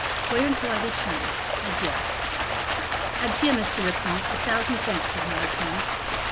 Wait until I return. Adieu." "Adieu, monsieur le comte; a thousand thanks," said Malicorne.